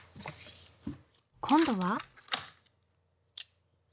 今度は？